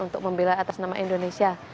untuk membela atas nama indonesia